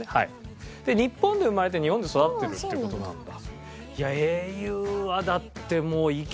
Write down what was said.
日本で生まれて日本で育ってるっていう事なんだ。